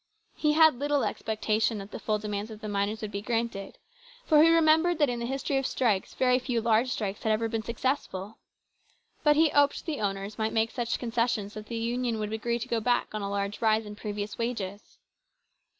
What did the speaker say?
He had little expectation that the full demand of the miners would be granted, for he remembered that in the history of strikes very few large strikes had ever been successful. But he hoped the owners might make such concessions that the Union would agree to go back on a large rise in previous wages.